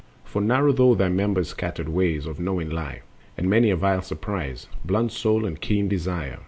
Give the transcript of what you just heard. For narrow through their members scattered ways Of knowing lie. And many a vile surprise Blunts soul and keen desire.